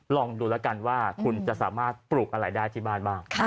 ลองดูแล้วกันว่าคุณจะสามารถปลูกอะไรได้ที่บ้านบ้าง